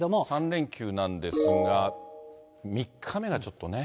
３連休なんですが、３日目がちょっとね。